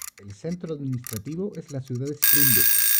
El centro administrativo es la ciudad de Springbok.